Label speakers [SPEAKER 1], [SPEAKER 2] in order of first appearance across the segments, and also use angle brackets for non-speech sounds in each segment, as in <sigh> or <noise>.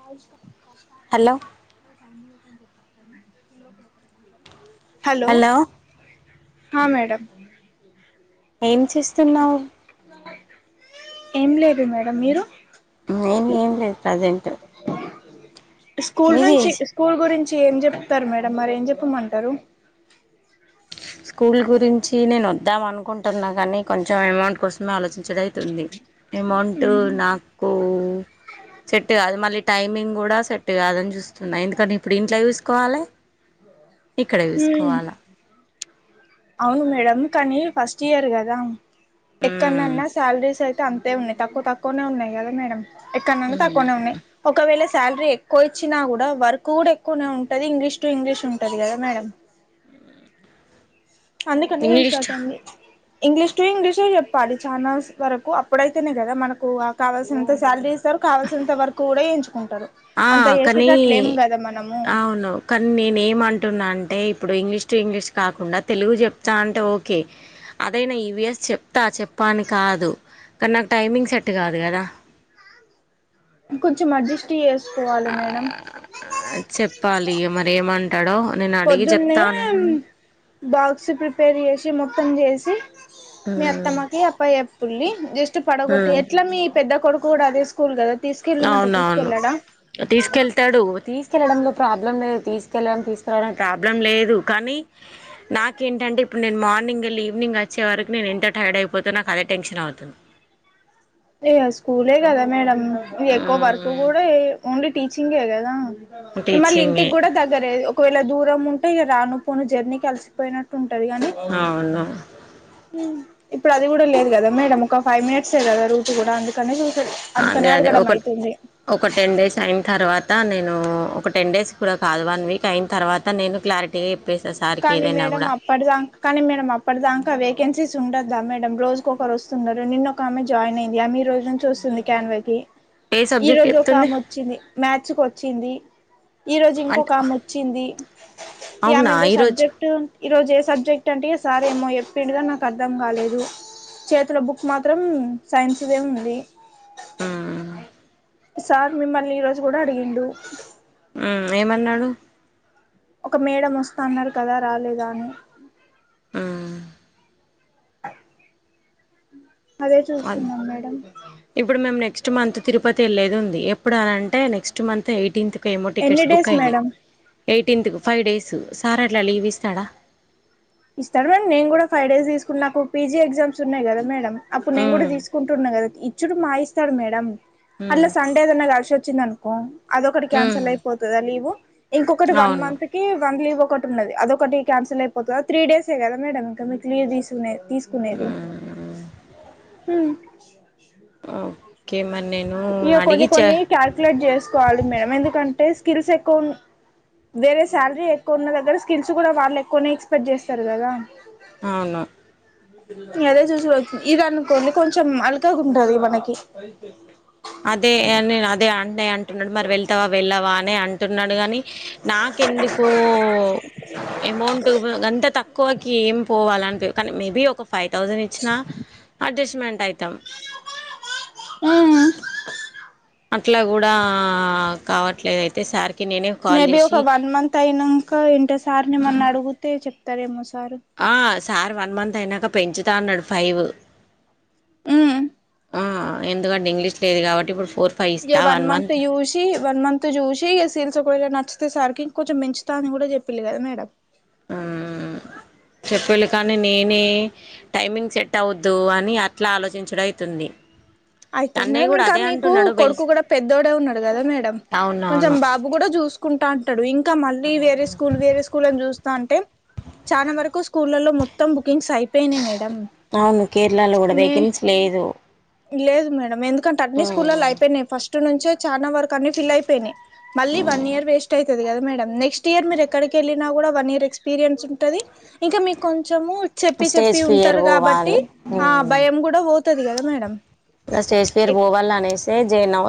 [SPEAKER 1] Hi శ్రవణక్క start
[SPEAKER 2] hello
[SPEAKER 1] అయినప్పుడు ఆిలోక
[SPEAKER 2] హలో
[SPEAKER 1] హ మేడమ్
[SPEAKER 2] ఏం చేస్తున్నావ్
[SPEAKER 1] ఏం లేదు మేడం మీరు
[SPEAKER 2] నేను ఏం లేదు ప్రజెంట్
[SPEAKER 1] స్కూల్
[SPEAKER 2] మీది
[SPEAKER 1] నుంచి స్కూల్ గురించి ఏం చెప్తరు మేడం మరి ఏం జెప్పమంటారు
[SPEAKER 2] స్కూల్ గురించి నేను వద్దాం అనుకుంటున్నా గానీ కొంచెం అమౌంట్ కోసమే ఆలోచించుడైతుంది అమౌంట్ నాకు సెట్ కాదు మళ్ళీ టైమింగ్ కూడా సెట్ కాదని చూస్తున్నా ఎందుకం ఇప్పుడు ఇంట్లో చూసుకోవాలె ఇక్కడ
[SPEAKER 1] హ్మ్
[SPEAKER 2] చూసుకోవాలా
[SPEAKER 1] అవును మేడం కానీ ఫస్ట్ ఇయర్ కదా ఎక్కంనన్నా శాలరీస్ అంతే ఉన్నాయి తక్కువ తక్కువనే ఉన్నాయి కదా మేడం ఎక్కనన్న తక్కువనే ఉన్నాయి ఒకవేళ శాలరీ ఎక్కువ ఇచ్చినా కూడా వర్క్ కూడా ఎక్కువనే ఉంటంది ఇంగ్లీష్ టు ఇంగ్లీష్ ఉంటది కదా మేడం అన్ని కన్ని
[SPEAKER 2] ఇంగ్లీష్
[SPEAKER 1] తెలిసినట్టుంది ఇంగ్లీష్ టు ఇంగ్లీషే చెప్పాలి ఛానల్స్ వరకు, అప్పుడైతేనే కదా మనకు కావాల్సినంత సాలరీస్ ఇత్తరు కావల్సినంత వర్క్ కూడా చేయించు
[SPEAKER 2] ఆ కనీ
[SPEAKER 1] మనము
[SPEAKER 2] అవును, కనీ నేనేమంటున్నా అం అంటే ఇప్పుడు ఇంగ్లీష్ టు ఇంగ్లీష్ కాకుండా తెలుగు చెప్తా అంటే ఓకే. అదైనా ఈవిఎస్ చెప్తా చెప్పా అని కాదు. కనీ నాకు టైమింగ్ సెట్ కాదు కదా.
[SPEAKER 1] కొంచెం అడ్జెస్ట్ చేస్
[SPEAKER 2] ఆ చెప్పాలి మరి ఏమంటడో. నేను అడిగి
[SPEAKER 1] పొద్దున్నే
[SPEAKER 2] చెప్తానను.
[SPEAKER 1] బాక్స్ ప్రిపేర్ చేశి మొత్తం చేసి మీ అత్తమ్మకి అప్ప చెప్పుల్లి జస్ట్ ట్ పడగొట్టి ఎట్లా మీ పెద్ద కొడుకు కూడా అదే స్కూల్ కదా. తీసుకెళ్ళమంటే
[SPEAKER 2] అవునవును
[SPEAKER 1] తీసుకెళ్ళాడా
[SPEAKER 2] తీసుకెళ్తడు. తీసుకెళ్లడంలో ప్రాబ్లం లేదు. తీసుకెళ్లడం, తీస్ రావడం ప్రాబ్లం లేదు. కానీ నాకేంటంటే ఇప్పుడు నేను మార్నింగ్ ఎళ్ళి ఈవినింగ్ అ చ్చే వరకు నేను ఎంత టైర్డ్ అయిపోతనో నాకు అదే టెన్షన్ అవుతుంది.
[SPEAKER 1] ఇగ స్కూలే కదా మేడం ఇగ ఎక్కువ వర్క్
[SPEAKER 2] మ్మ్
[SPEAKER 1] కూడా ఓన్లీ టీచింగే కదా. మళ్ళీ
[SPEAKER 2] టీచింగే
[SPEAKER 1] ఇంటికి కూడా దగ్గరే. ఒకవేళ దూరం ఉంటే ఇగ రాను పోను జర్నీకి కలిసిపోయినట్టు ఉంటది కానీ
[SPEAKER 2] అవును
[SPEAKER 1] హ్ ఇప్పుడు అది కూడా లేదు కదా మేడం. ఒక ఫైవ్ మినట్సే కదా రూట్ కూడా అందుకనే చూ
[SPEAKER 2] అదే అదే ఒక ఒక టెన్ డేస్ అయిన తర్వా త నేను ఒక టెన్ డేస్ కూడా కాదు, వన్ వీక్ అయిన తర్వాత నేను క్లారి
[SPEAKER 1] కానీ మేడం అప్పటిదాకా కానీ మేడం అప్పటిదాంకా వేకెన్సీస్ ఉండ దా మేడం రోజుకోకరు వస్తున్నరు. నిన్నొకామె జాయిన్ అయింది, ఆమె ఈ రోజు నుంచి వస్తుంది క్యాన్వాయికి
[SPEAKER 2] ఏ
[SPEAKER 1] ఈ
[SPEAKER 2] సబ్జెక్ట్
[SPEAKER 1] రోజు
[SPEAKER 2] చెప్తుండే
[SPEAKER 1] ఒకామే వచ్చింది. మ్యాథ్స్ కు వచ్చింది. ఈ రోజు
[SPEAKER 2] అంటే
[SPEAKER 1] ఇంకొకామే వచ్చింది. ఈ
[SPEAKER 2] అవునా
[SPEAKER 1] ఆమేదో
[SPEAKER 2] ఈరోజు
[SPEAKER 1] సబ్జెక్ట్ ఈరోజు ఏ సబ్జెక్ట్ అంటే ఇగ సారేమో చెప్పిండు గాని నాకు అర్థం కాలేదు. చేతుల బుక్ మాత్రం సైన్స్ దే ఉంది.
[SPEAKER 2] ఆ
[SPEAKER 1] సార్ మిమ్మల్ని ఈరోజు కూడా అడిగిండు.
[SPEAKER 2] హ్మ్ ఏమన్నడు?
[SPEAKER 1] ఒక మేడం వస్తా అన్నారు కదా రాలేదా అని.
[SPEAKER 2] ఆ
[SPEAKER 1] <inaudible> అదే
[SPEAKER 2] అద్
[SPEAKER 1] చూస్తున్నా మేడం.
[SPEAKER 2] ఇప్పుడు మేము నెక్స్ట్ మంత్ తిరుపతి ఎళ్ళేది ఉంది. ఎప్పుడు అని అంటే నెక్స్ట్ మంత్ ఎయిటీన్త్. కేమో
[SPEAKER 1] ఎన్ని
[SPEAKER 2] టికెట్స్ బుక్
[SPEAKER 1] డేస్
[SPEAKER 2] అయినయి.
[SPEAKER 1] మేడం
[SPEAKER 2] ఎయిటీన్త్కు ఫైవ్ డేస్ సార్ అట్లా లీవ్ ఇస్తడా.
[SPEAKER 1] ఇస్తాడు మేడం. నేను కూడా ఫైవ్ డేస్ తీసుకున్నా, నాకు పీజీ ఎగ్జామ్స్ ఉన్నయి కదా మేడమ్. అప్పుడు నేను కూడా
[SPEAKER 2] ఉమ్
[SPEAKER 1] తీసుకుంటున్నా కదా. ఇచ్చుడు మాయిస్తాడు మేడం
[SPEAKER 2] ఉమ్
[SPEAKER 1] అల్లా సండే ఏదన్నా కలిశి వచ్చిందనుకో అదొకటి క్యాన్సల్
[SPEAKER 2] ఉమ్
[SPEAKER 1] అయిపోతదా లీవ్, ఇంకొకటి వన్
[SPEAKER 2] అవును
[SPEAKER 1] మంత్ కి వన్ లీవ్ ఒకటి ఉన్నది అదొకటి క్యాన్సిల్ అయిపోతదా. త్రీ డేసే కదా మేడమ్ ఇంక మీకు లీవ్ తీసుకునేది. తీసుకునేది హ్
[SPEAKER 2] ఆ ఓకే మరి నేను
[SPEAKER 1] ఇగ కొన్ని
[SPEAKER 2] అడిగి చే
[SPEAKER 1] కొన్ని క్యాలిక్యులేట్ చేసుకోవాలి మేడం. ఎందుకంటే స్కిల్స్ ఎక్కువ ఉం వేరే సాలరీ ఎక్కువ ఉన్న దగ్గర స్కిల్స్ కూడా వాళ్ళు ఎక్కువనే ఎక్స్పెక్ట్ చేస్తరు కదా.
[SPEAKER 2] అవును.
[SPEAKER 1] అదే చూసి ఇది అనుకోండి కొంచెం అలుకగా ఉంటది మనకి
[SPEAKER 2] అదే నేను అదే అన్నయ్య అంటున్నాడు మరి వెళ్తావా వెళ్ళావనే అని అంటున్నాడు గాని నా కేందుకో అమౌంట్ అంతా తక్కువకి ఎం పోవాలనిపి కానీ మేబీ ఒక ఫై థౌజండ్ ఇచ్చిన అడ్జస్ట్మెంట్ అయితాం అట్లా కూడా కావట్లేదు అయితే సార్
[SPEAKER 1] మేబీ ఒక వన్ మంత్ అయినంక ఇంటే సార్నేమన్న అడిగితే చెప్తారేమో స
[SPEAKER 2] ఆ సార్ వన్ మంత్ అయినంక పెంచుతా అన్నాడు ఫైవ్
[SPEAKER 1] మ్
[SPEAKER 2] అ ఎందుకంటే ఇంగ్లీష్ లేదు కాబట్టి ఇప్పుడు ఫోర్ ఫైవ్
[SPEAKER 1] ఇగ
[SPEAKER 2] ఇస్తా
[SPEAKER 1] వన్ మంత్ జూసి వన్ మంత్ జూసి సేల్స్ ఒకేలా నచ్చితే సార్ కి ఇంకొంచెం పెంచుత అని కూడా చెప్పిళ్ళు కదా మేడమ్
[SPEAKER 2] ఆ చెప్పిళ్ళు కానీ నేనే టైమింగ్ సెట్ అవద్దు అని అట్లా ఆలోచించుడు అయితుంది
[SPEAKER 1] అయితే
[SPEAKER 2] అన్నయ్య
[SPEAKER 1] మేడం
[SPEAKER 2] కూడా
[SPEAKER 1] ఇంకా
[SPEAKER 2] అదే
[SPEAKER 1] మీకు
[SPEAKER 2] అంటున్నాడు వెల్
[SPEAKER 1] కొడుకు కూడా పెద్దోడే ఉన్నాడు కదా మేడమ్ కొంచెం
[SPEAKER 2] అవునవును
[SPEAKER 1] బాబు కూడా చూసుకుంటా ఉంటాడు ఇంకా మళ్ళీ వేరే స్కూల్ వేరే స్కూల్ అని చూస్ స్థంటే చాలా వరకు స్కూళ్లలో మొత్తం బుకింగ్స్ అయిపోయినయి మే
[SPEAKER 2] అవును కేరళలో కూడ వేకేన్స్ లేదు
[SPEAKER 1] లేదు మేడం ఎందుకంటే అన్ని స్కూళ్లల్లో అయిపోయినాయి ఫస్ట్ నుంచే చాలా వరకు అన్నిీ ఫిల్ అయిపోయినాయి మళ్ళీ వన్ ఇయర్ వేస్ టైతది కదా మేడం నేక్స్ట్ ఇయర్ మీరు ఎక్కడికేళ్ళినా కూడా వన్ ఇయర్ ఎక్స్పీరియన్స్ ఉంటది ఇంకా మీకు కొంచము చెప్పి
[SPEAKER 2] స్టేజ్
[SPEAKER 1] చెప్పి
[SPEAKER 2] ఫియర్
[SPEAKER 1] ఉంటారు కాబట్టి
[SPEAKER 2] పోవాలి
[SPEAKER 1] ఆ భయం కూడా పోతది కదా మేడం
[SPEAKER 2] గ స్టేజ్ ఫియర్ పోవాలనేసే జైనౌ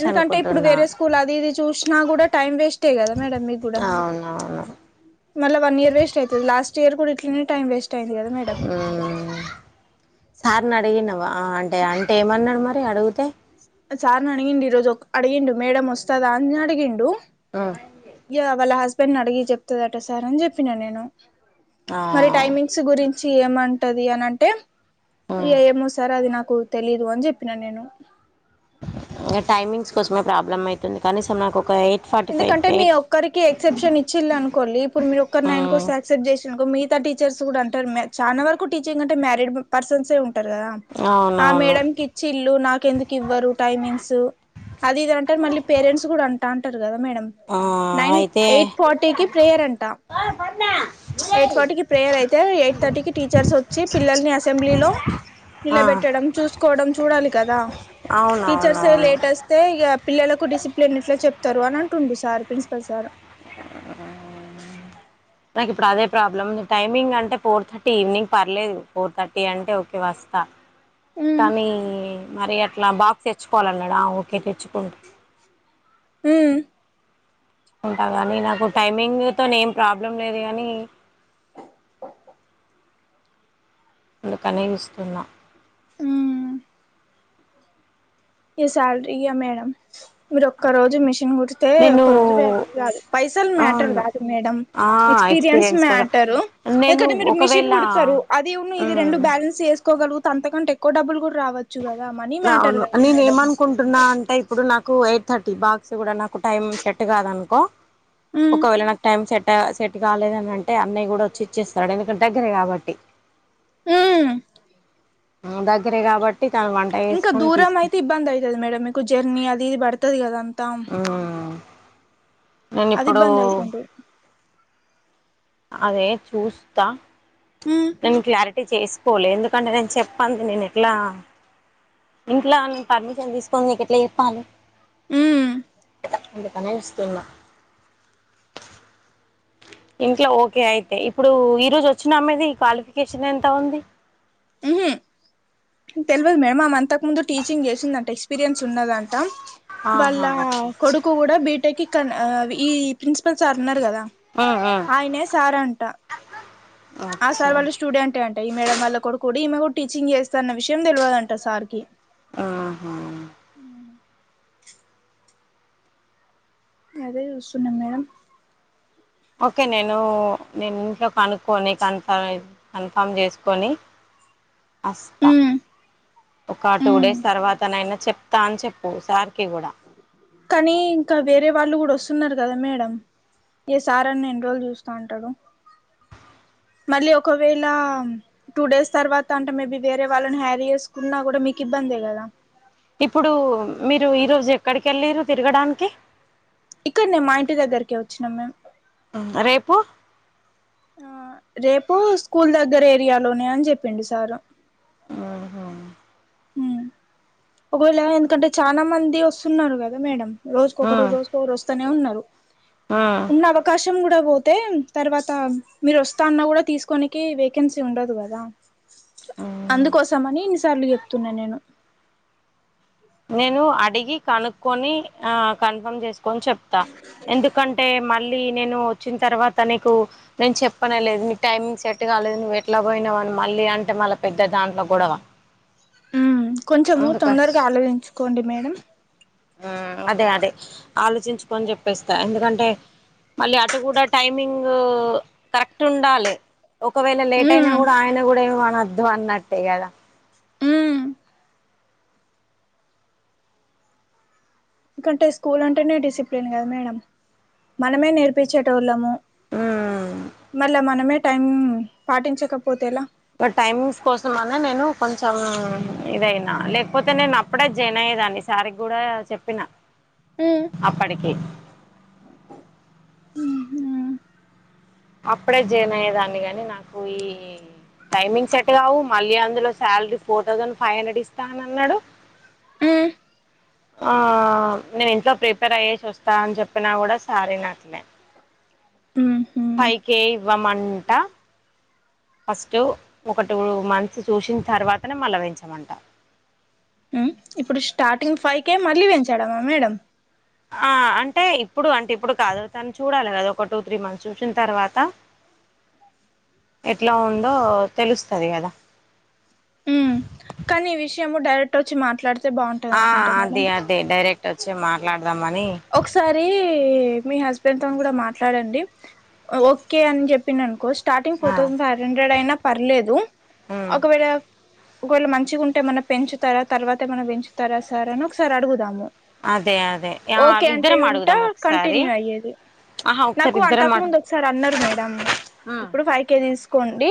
[SPEAKER 1] ఎందుకంటే ఇప్పుడు వేరే స్కూల్ అది ఇది చూసినా కూడా టైం వేస్టే కదా మేడం మీకు కూడా
[SPEAKER 2] అవును
[SPEAKER 1] మల్ల వన్ ఇయర్ వేస్ట్ అయితది లాస్ట్ ఇయర్ కూడా ఇట్లనే టైమ్ వేస్
[SPEAKER 2] హుం స అడిగినవా అ అంటే అంటే ఏమన్నడు మరి అడుగుతే
[SPEAKER 1] సార్ నడిగిండు ఇరోజు ఒక్ అడిగిండు మేడమేస్తదా అని అడిగిండు ఇగ వాళ్ళ హస్బెండ్ ని అడిగి చెప్తదట సార్ అని చెప్పిన నేను
[SPEAKER 2] ఆ ఆ
[SPEAKER 1] మరి టైమింగ్స్ గురించి ఏమంటది అని అంటే
[SPEAKER 2] ఉమ్
[SPEAKER 1] ఏమో సార్ అది నాకు తెలీదు అని చెప్పిన నేను
[SPEAKER 2] గా టైమింగ్స్ కోసమే ప్రాబ్లమ్ అయితుంది కానీసం నాకు ఒక ఎయిట్ ఫార్టీ ఫైవ్
[SPEAKER 1] ఎందుకంటే మీ
[SPEAKER 2] ఎయిట్
[SPEAKER 1] ఒక్కరికి ఎక్సెప్షన్ ఇచ్చిల్లనుకొల్లి ఇప్పుడు మీరు ఒక్కరు నైన్ కోస్తె అక్సెప్ట్ చేసిలనుకో మీ గత టీచర్స్ కూడా అంటారు మ్ చాలా వరకు టీచింగ్ అంటే మ్యారీడ్ పర్సన్స్ే ఉం టరు కదా ఆ
[SPEAKER 2] అవునవును
[SPEAKER 1] మేడం కిచ్చిల్లు నాకు ఎందుకు ఇవ్వరు టైమింగ్స్ అది ఇదంటర్ మళ్ళి పేరెంట్స్ కూడా అంటా అంటారు కదా మేడం
[SPEAKER 2] ఆ
[SPEAKER 1] నైన్
[SPEAKER 2] అయితే
[SPEAKER 1] ఎయిట్ ఫార్టీకి ప్రేయర్ అంటా ఎయిట్ ఫర్టీ కి ప్రేయర్ అయితే ఎయిట్ థర్టీకి టీచర్స్ వచ్చి పిల్లల్ని అసెంబ్లీలో
[SPEAKER 2] ఆ
[SPEAKER 1] నిలబెట్టడం చూసుకోవడం చూడాలి కదా టీచర్స్
[SPEAKER 2] అవునవునవును
[SPEAKER 1] లేట్ వస్తే ఇగ పిల్లలకు డిసిప్లిన్ ఎట్లా చెప్ ప్తారు అని అంటుండు సార్ ప్రిన్సిపల్ సార్
[SPEAKER 2] నాకు ఇప్పుడు అదే ప్రాబ్లం టైమింగ్ అంటే ఫోర్ థర్టీ ఈవినింగ్ పర్లేదు ఫోర్ థర్టీ అంటే ఓకే వస్తా
[SPEAKER 1] ఉమ్
[SPEAKER 2] కనీ మరీ అట్ ట్లా బాక్స్ తెచ్చుకోవాలన్నాడా అ ఓకే తెచ్చుకుంట
[SPEAKER 1] ఊ
[SPEAKER 2] ఉంటా గాని నాకు టైమింగ్ తోనే ఏం ప్రాబ్లం లేదు గానీ అందుకనే విస్తున్నా
[SPEAKER 1] ఊ ఈ సాలరీ ఏ మేడమ్ మీరు ఒక్క రోజు మిషన్ తే
[SPEAKER 2] నేను
[SPEAKER 1] ఒక రోజు వాల్యూ కాదు పైసలు మ్యాటర్
[SPEAKER 2] అవును
[SPEAKER 1] కాదు మేడం
[SPEAKER 2] ఆ
[SPEAKER 1] ఎక్స్పీరియన్స్
[SPEAKER 2] కోసం
[SPEAKER 1] మ్యాటర్
[SPEAKER 2] నేను
[SPEAKER 1] ఎందుకంటే మీరు మిషన్
[SPEAKER 2] ఒకవేళ
[SPEAKER 1] కుడతారు అది ఉను ఇది రెండు
[SPEAKER 2] ఉమ్
[SPEAKER 1] బ్యాలెన్స్ చేసుకోగలుగు అంతకంటే ఎక్కువ డబ్బులు కూడా రావచ్చు కదా మనీ మ్యాటర్
[SPEAKER 2] అవును
[SPEAKER 1] కాదు
[SPEAKER 2] నేను
[SPEAKER 1] మేడం
[SPEAKER 2] ఏమనుకుంటున్నా అంటే ఇప్పుడు నాకు ఎయిట్ థర్టీ బాక్స్ కూడా నాకు టైం సెట్ కాదనుకో
[SPEAKER 1] ఉమ్
[SPEAKER 2] ఒకవేళ నాకు టైం సెట్ సెట్ కాలేదని అంటే అన్నయ్య కూడా వచ్చి ఇచ్చేస్తాడు ఎందుకంటే దగ్గర కాబట్టి
[SPEAKER 1] ఊ
[SPEAKER 2] ఆ దగ్గరే కాబట్టి తను వంట
[SPEAKER 1] ఇంకా
[SPEAKER 2] చేసుకొని
[SPEAKER 1] దూరం
[SPEAKER 2] తీసుకు
[SPEAKER 1] అయితే ఇబ్బంది అయతది మేడం మీకు జర్నీ అది ఇది పడుతది కదా అంతా
[SPEAKER 2] ఉమ్ నేను
[SPEAKER 1] అది
[SPEAKER 2] ఇప్పుడు
[SPEAKER 1] ఇబ్బంది అయితుంది
[SPEAKER 2] అదే చూస్తా
[SPEAKER 1] ఉమ్
[SPEAKER 2] నేను క్లారిటీ అంటే చేసుకోలే ఎందుకంటే నేను చెప్పను నేను ఎట్లా ఇంట్లా ఆయన పర్మిషన్ తీసుకొనిది నీకు ఎట్లా చెప్పాలి
[SPEAKER 1] ఉమ్
[SPEAKER 2] అందుకని ఇస్తున్నా ఇంట్లో ఓకే అయితే ఇప్పుడు ఈ రోజు వచ్చినా ఆమెది క్వాలిఫికేషన్ ఎంత ఉంది
[SPEAKER 1] ఉహు తెలివదు మేడం ఆమే మంతకు ముందు టీచింగ్ చేసిందంటే ఎక్స్పీరియన్స్ ఉన్నదంట ట వాళ్ళ
[SPEAKER 2] ఆహా అచ్చా
[SPEAKER 1] కొడుకు కూడా బీటెక్ ఈ ప్రిన్సిపల్ సార్ ఉన్నారు కదా ఆయనే సార్ అంటా ఆ
[SPEAKER 2] అచ్చా
[SPEAKER 1] సార్ వాళ్ళ స్టూడెంట్ అంట ఈ మేడం వల్లకొడుకు కూడా ఈమె కూడా టీచింగ్ చేస్తాన్న విషయం తెలియదంట సార్కి
[SPEAKER 2] ఆహా
[SPEAKER 1] అదే చూస్తున్నాం మేడం
[SPEAKER 2] ఓకే నేను నేను ఇంట్లో కనుక్కొని కన్ఫ కన్ఫామ్ చేసుకొని అస్తా
[SPEAKER 1] ఉమ్
[SPEAKER 2] ఒక టూ
[SPEAKER 1] ఉమ్
[SPEAKER 2] డేస్ తర్వాత నైనా చెప్తా అని చెప్పు సార్
[SPEAKER 1] కానీ ఇంకా వేరే వాళ్ళు కూడా వస్తు వస్తున్నారు కదా మేడం ఏ సార్ అని రెన్ని రోజులు చూస్తా ఉంటాడు మళ్ళీ ఒకవేళ టూ డేస్ తర్వాత అంటే మేబి వేరే వాళ్ళని హ్యారీ చేసుకున్నా కూడా మీకు ఇబ ఇబ్బందే కదా
[SPEAKER 2] ఇప్పుడు మీరు ఈరోజు ఎక్కడికి వెళ్ళిరు తిరగడానికి
[SPEAKER 1] ఇక్కడ నే మా ఇంటి దగ్గరకే వచ్చినాం మేము
[SPEAKER 2] ఆ రేపు
[SPEAKER 1] ఆ రేపు స్కూల్ దగ్గర ఏరియాలోనే అని చెప్పిండు సారు
[SPEAKER 2] ఆహ
[SPEAKER 1] ఉ ఒకవేళ ఎందుకంటే చానా మంది వస్తున్నారు కదా మేడం రోజుకొకరు
[SPEAKER 2] ఉమ్
[SPEAKER 1] రోజుకోరు వస్తనే ఉన్నారు ఉన్న అవకాశం కూడా పోతే తర్వాత మీరు వస్తా అన్నా కూడా తీసుకోనికి వేకెన్సీ ఉండదు కదా
[SPEAKER 2] ఉమ్
[SPEAKER 1] అందుకోసం అని ఇన్నిసార్లు చెప్తున్నా నేను
[SPEAKER 2] నేను అడిగి కనుక్కొని ఆ కన్ఫర్మ్ చేసుకు కోన్ చెప్తా ఎందుకంటే మన మళ్ళీ నేను వచ్చిన తర్వాత నీకు నే చెప్పనే లేదు న టైమింగ్ సెట్ కాలేదు నువ్వు ఎట్లా పోయి మళ్ళీ అంటే మళ్ళా పెద్ద దాంట్లో గొడవ
[SPEAKER 1] కొంచెం
[SPEAKER 2] అందుక
[SPEAKER 1] తొందరగా ఆలోచించుకోండి మేడం
[SPEAKER 2] అదే అదే ఆలోచించుకొని చెప్పేస్తా ఎందుకంటే మళ్ళీ అటు కూడా టైమింగ్ కరెక్ట్ ఉండాలి ఒకవేళ లేట్ అయినా
[SPEAKER 1] ఉమ్
[SPEAKER 2] కూడా ఆయన కూడా ఏమనివద్దు అన్నట్టే కదా
[SPEAKER 1] ఉ ఎందుకంటే స్కూల్ అంటేనే డిసిప్లిన్ కదా మేడం మనమే నేర్పించేట వాళ్ళము మళ్ళా మనమే టైం పాటించకపోతేలా
[SPEAKER 2] టైమింగ్స్ కోసం అన్నా నేను కొంచెం ఇదయినా లేకపోతే నేను అప్పుడే జాయిన్ అయి లేదాన్ని సార్ కి కూడా చెప్పిన
[SPEAKER 1] ఉమ్
[SPEAKER 2] అప్పటికి
[SPEAKER 1] ఉమ్
[SPEAKER 2] అప్పుడే జేన్ అయ్యేదాన్ని గాని నాకు ఈ టైమింగ్ సెట్ కావు మళ్ళీ అందులో salary four thousand five hundred ఇస్తా అని అన్నాడు
[SPEAKER 1] ఉమ్
[SPEAKER 2] ఆ నేను ఇంట్లో ప్రిపేర్ అయ్యేసి వస్తా అని చెప్పినా కూడా సార్ వినట్లే
[SPEAKER 1] ఉహు
[SPEAKER 2] ఇవ్వమంటా ఫస్ట్ ఒక టూ మంత్స్ చూసిన తర్వాతనే మళ్ళ పెంచామంట
[SPEAKER 1] ఉమ్ ఇప్పుడు స్టార్టింగ్ ఫైవ్ కే మళ్ళీ పెంచాడమా మేడం
[SPEAKER 2] ఆ అంటే ఇప్పుడు అంటే ఇప్పుడు కాదు తను చూడాలి కదా ఒక టూ త్రీ మంత్స్ చూసిన తర్వాత ఎట్లా ఉందో తెలుస్తాది కదా
[SPEAKER 1] కానీ ఈ విషయం డైరెక్ట్ వచ్చి మాట్లాడుత
[SPEAKER 2] ఆ అదే అదే డైరెక్ట్ వచ్చి మాట్లాడ
[SPEAKER 1] ఒకసారి మీ హస్బెండ్ తో కూడా మాట్లాడండి ఓకే అని చెప్పిన అనుకో స్టార్టింగ్
[SPEAKER 2] ఆ
[SPEAKER 1] ఫోర్ థౌసండ్ ఫైవ్ హండ్రెడ్ అయినా పర్లేదు
[SPEAKER 2] ఉమ్
[SPEAKER 1] ఒకవేళ ఒకవేళ మంచిగా ఉంటే మనం పెంచుతారా తర్వాత ఏమైనా పెంచుతారా సార్ అని ఒకసారి అడుగుదాము
[SPEAKER 2] అదే అదే ఆ
[SPEAKER 1] ఓకే అంటే
[SPEAKER 2] ఇద్దరం
[SPEAKER 1] వింట
[SPEAKER 2] అడుగుదాం ఒకసారి
[SPEAKER 1] కంటిన్యూ అయ్యేది
[SPEAKER 2] ఆహా ఒకసారి
[SPEAKER 1] నాకు
[SPEAKER 2] ఇద్దరం
[SPEAKER 1] అంతకు
[SPEAKER 2] అడు
[SPEAKER 1] ముందు ఒకసారి అన్నారు మేడం
[SPEAKER 2] ఆ
[SPEAKER 1] ఇప్పుడు ఫైవ్ కే తీసుకోండి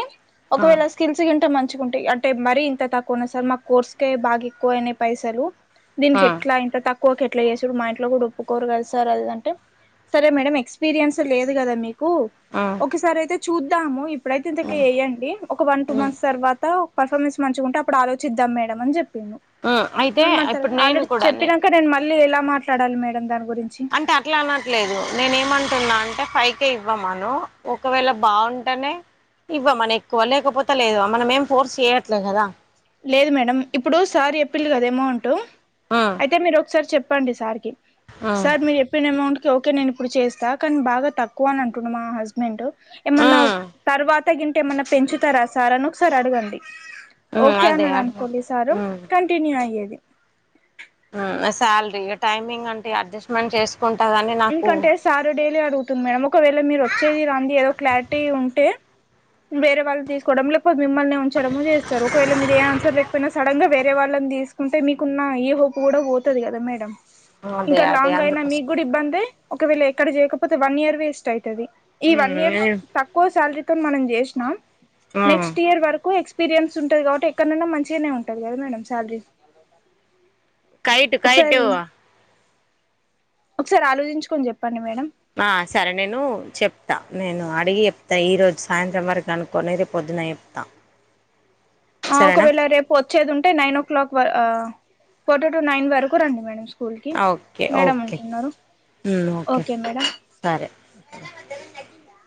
[SPEAKER 2] ఆ
[SPEAKER 1] ఒకవేళ స్కిల్స్ తింటా మ కుంటా అంటే మర ఇంత తక్కువ ఉన్నా సార్ మా కోర్స్కే బాగా ఎక్కువ అయినాయి పైసలు దీనికి
[SPEAKER 2] ఆ
[SPEAKER 1] ఎట్లా ఇంట తక్కువ ఎట్లా చేసురు మా కూడా ఒప్పుకోరు కదా సార్ అదింటే సరే మేడం ఎక్స్పీరియన్స్ లేదు కదా మీకు
[SPEAKER 2] ఉమ్
[SPEAKER 1] ఒకసారి అయితే చూద్దాము ఇప్పుడైతే ఇంతక
[SPEAKER 2] ఉమ్
[SPEAKER 1] వేయంండి ఒక వన్ టూ
[SPEAKER 2] ఉమ్
[SPEAKER 1] మంత్స్ తర్వాత పర్ఫార్మెన్స్ మంచి ఉంటేప్పుడు ఆలోచిద్దాం మేడం అ చెప్పి
[SPEAKER 2] ఉమ్ అయితే
[SPEAKER 1] న్ మంత్
[SPEAKER 2] ఇప్పుడు నేను
[SPEAKER 1] ఆల్రెడీ
[SPEAKER 2] కూడా నే
[SPEAKER 1] చెప్పినాక నేను మళ్ళీ ఎలా మాట్లాడాలి మేడం దానికి
[SPEAKER 2] అంటే అట్లా అనట్లేదు నేను ఏమంటున్నా అంటే ఫైవ్ హేయ్ ఇవ్వమను ఒకవేళ బాగుంటేనే ఇవ్వ మను ఎక్కువ లేకపోతే లేదు మనం ఏం ఫోర్స్ చెయట్లే కదా
[SPEAKER 1] లేదు మేడం ఇప్పుడు సార్ చెప్పిండు కదా అమౌంట్
[SPEAKER 2] ఉమ్
[SPEAKER 1] అయితే మీరు ఒకసారి చెప్పండి సార్కి
[SPEAKER 2] ఉమ్
[SPEAKER 1] సార్ మీరు చెప్పిన ఎమౌంట్ ఓకే నేను ఇప్పుడు చేస్తా కానీ బాగా తక్కువ అని అంటుండు మా హస్బెండు ఏమన్నా
[SPEAKER 2] ఉమ్
[SPEAKER 1] తర్వాత తగింటే ఏమన్నా పెంచుతారా సార్ అని ఒకసారి అడగండి
[SPEAKER 2] మ్మ్
[SPEAKER 1] ఓకే
[SPEAKER 2] అదే
[SPEAKER 1] అన్నాడు
[SPEAKER 2] అ
[SPEAKER 1] అనుకోండి సారు
[SPEAKER 2] మ్మ్
[SPEAKER 1] కంటిన్యూ అయ్యేది
[SPEAKER 2] ఇంగ టైమింగ్ అంటే అడ్జస్ట్మెంట్ చేస్
[SPEAKER 1] ఇంకంటే సారు డైలీ అడుగుతుంది మేడం ఒకవేళ మీరు వచ్చేది రాంది ఏదో క్లారిటీ ఉంటే వేరే వాళ్ళు తీసుకోవడం లేకపోతే మిమ్మల్నే ఉంచడం చేస్తారు ఒకవేళ మీద ఏ ఆన్సర్ లేకపోయినా సడన్గా వేరే వాళ్ వాళ్ళని తీసుకుంటే మీకున్న ఏ హోప్ కూడా పోతది కదా మేడం
[SPEAKER 2] అదే
[SPEAKER 1] ఇంకా
[SPEAKER 2] అదే
[SPEAKER 1] లాంగ్ అయినా మీ గుడా
[SPEAKER 2] అందుకోసమని
[SPEAKER 1] ఇబ్బంది ఒకవేళ ఎక్కడ చేయకపోతే వన్ ఇయర్ వేస్ట్ అయితది ఈ వన్ ఇయర్
[SPEAKER 2] మ్మ్
[SPEAKER 1] తక్కువ శాలరీ మనం జేసినాం
[SPEAKER 2] మ్మ్
[SPEAKER 1] నెక్స్ట్ ఇయర్ వరకు ఎక్స్పీరియన్స్ ఉంటది కాబట్టి ఎక్కడనున్న మంచిగానే ఉంటది కదా మేడం సాలరీ
[SPEAKER 2] కైట్ కైటు
[SPEAKER 1] సారి ఆలోచించుకొని చెప్పండి మేడం
[SPEAKER 2] ఆ సరే నేను చెప్తా నేను అడిగి చెప్తా ఈ రోజు సాయంత్రం వరకు అనుకోని రెపొద్దు న్నఏ ప్తా
[SPEAKER 1] ఆ ఒకవేళ రేపు వచ్చేది ఉంటే నైన్ ఓ క్లాక్ ఆ క్వటర్ టు నైన్ వరకు రండి మేడం స్కూల్ కి
[SPEAKER 2] అ ఓకే
[SPEAKER 1] మేడం
[SPEAKER 2] ఓకే
[SPEAKER 1] ఉంటున్నారు
[SPEAKER 2] మ్ ఓకే సరే <inaudible>